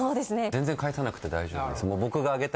全然返さなくて大丈夫です。